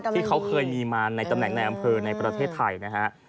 ที่เขาเคยมีมาในตำแหน่งในอำเภอในประเทศไทยนะฮะ